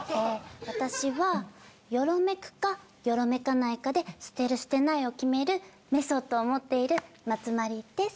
私はよろめくかよろめかないかで捨てる捨てないを決めるメソッドを持っているまつまりです。